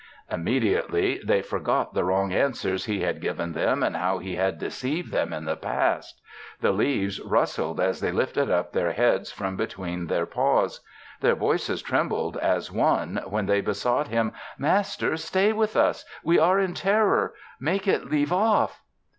Immediately they forgot the wrong answers he had given them and how he had deceived them in the past. The leaves rustled as they lifted up their heads from between their paws. Their voices trembled as one when they besought him, "Master, stay with us. We are in terror. Make it leave off."